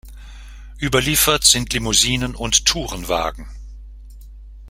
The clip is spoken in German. Überliefert sind Limousinen und Tourenwagen.